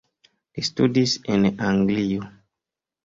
Li studis en Anglio.